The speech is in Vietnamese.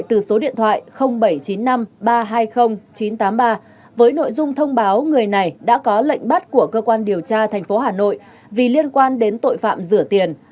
từ số điện thoại bảy trăm chín mươi năm ba trăm hai mươi chín trăm tám mươi ba với nội dung thông báo người này đã có lệnh bắt của cơ quan điều tra thành phố hà nội vì liên quan đến tội phạm rửa tiền